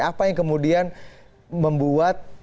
apa yang kemudian membuat